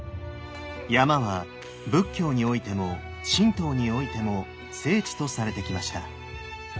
山は仏教においても神道においても聖地とされてきました。